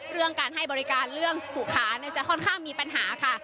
เรื่องการให้บริการเรื่องสุขาจะค่อนข้างมีปัญหาค่ะ